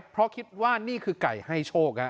เพราะคิดว่านี่คือไก่ให้โชค